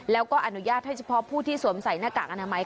แล้วก็อนุญาตให้เฉพาะผู้ที่สวมใส่หน้ากากอนามัย